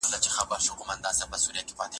لکه سکه وینه د خپل بدن به دارې وهې